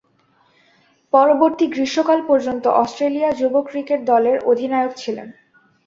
পরবর্তী গ্রীষ্মকাল পর্যন্ত অস্ট্রেলিয়া যুব ক্রিকেট দলের অধিনায়ক ছিলেন।